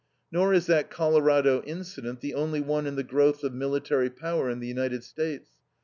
Nor is that Colorado incident the only one in the growth of military power in the United States.